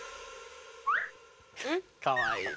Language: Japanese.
かわいいね。